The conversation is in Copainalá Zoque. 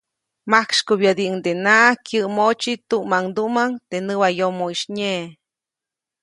Majksykubyädiʼuŋdenaʼajk kyäʼmoʼtsi tuʼmaŋduʼmaŋ teʼ näwayomoʼisy nye.